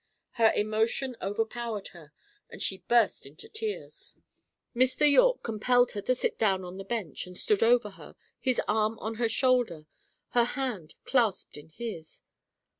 Her emotion overpowered her, and she burst into tears. Mr. Yorke compelled her to sit down on the bench, and stood over her his arm on her shoulder, her hand clasped in his.